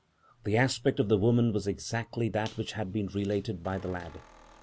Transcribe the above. The aspect of the woman was exactly that which had been related by the lad.